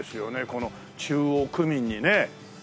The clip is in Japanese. この中央区民にね。